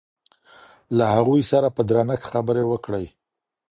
له هغوی سره په درنښت خبرې وکړئ.